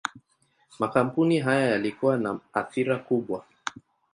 Makampuni haya yalikuwa na athira kubwa.